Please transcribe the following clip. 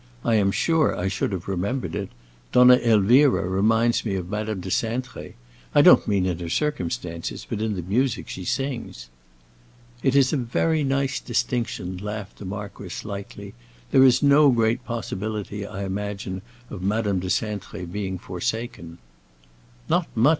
"I am sure I should have remembered it. Donna Elvira reminds me of Madame de Cintré; I don't mean in her circumstances, but in the music she sings." "It is a very nice distinction," laughed the marquis lightly. "There is no great possibility, I imagine, of Madame de Cintré being forsaken." "Not much!"